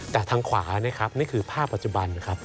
แต่ทางขวานะครับนี่คือภาพปัจจุบันครับ